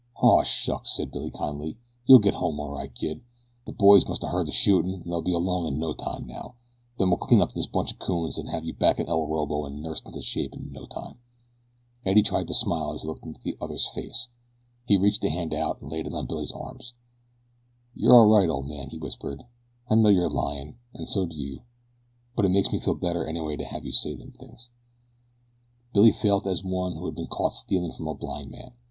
"Aw, shucks!" said Billy kindly. "You'll get home all right, kid. The boys must a heard the shootin' an' they'll be along in no time now. Then we'll clean up this bunch o' coons an' have you back to El Orobo an' nursed into shape in no time." Eddie tried to smile as he looked up into the other's face. He reached a hand out and laid it on Billy's arm. "You're all right, old man," he whispered. "I know you're lyin' an' so do you; but it makes me feel better anyway to have you say them things." Billy felt as one who has been caught stealing from a blind man.